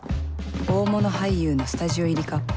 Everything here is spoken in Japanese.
大物俳優のスタジオ入りか